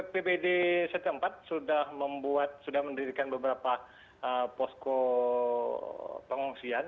pbd satu ratus empat sudah membuat sudah mendirikan beberapa posko pengungsian